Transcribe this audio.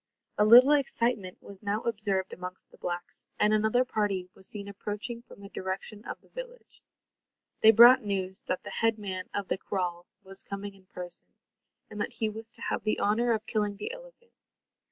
A little excitement was now observed amongst the blacks, and another party was seen approaching from the direction of the village. They brought news that the head man of the kraal was coming in person, and that he was to have the honour of killing the elephant.